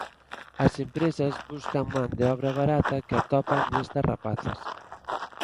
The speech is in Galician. As empresas buscan man de obra barata que atopan nestas rapazas.